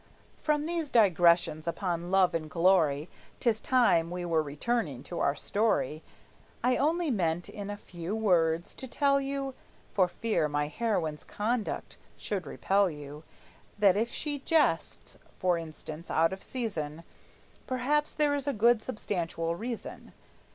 From these digressions upon love and glory, 'Tis time we were returning to our story. I only meant, in a few words, to tell you (For fear my heroine's conduct should repel you) That if she jests, for instance, out of season, Perhaps there is a good substantial reason.